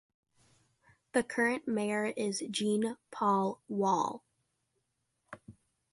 The current mayor is Jean-Paul Wahl.